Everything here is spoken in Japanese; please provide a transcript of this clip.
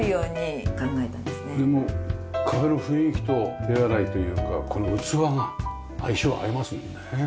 もう壁の雰囲気と手洗いというかこの器が相性合いますもんね。